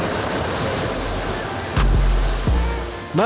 terima kasih pak